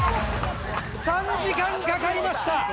３時間かかりました！